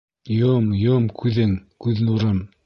Йом-йом күҙең, күҙ нурым.